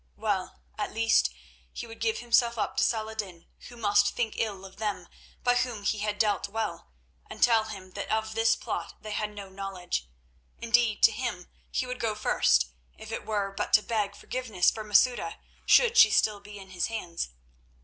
Well, at least he would give himself up to Saladin, who must think ill of them by whom he had dealt well, and tell him that of this plot they had no knowledge. Indeed, to him he would go first, if it were but to beg forgiveness for Masouda should she still be in his hands.